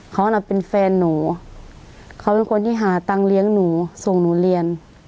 เขาน่ะเป็นแฟนหนูเขาเป็นคนที่หาตังค์เลี้ยงหนูส่งหนูเรียน